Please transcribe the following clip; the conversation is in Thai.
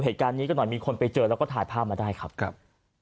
เหตุการณ์นี้ก็หน่อยมีคนไปเจอแล้วก็ถ่ายภาพมาได้ครับครับ